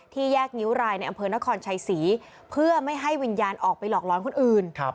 แยกงิ้วรายในอำเภอนครชัยศรีเพื่อไม่ให้วิญญาณออกไปหลอกร้อนคนอื่น